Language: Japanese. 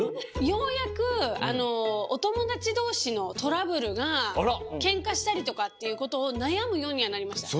ようやくおともだちどうしのトラブルがけんかしたりとかっていうことをなやむようにはなりました。